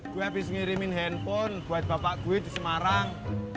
gue habis ngirimin handphone buat bapak gue di semarang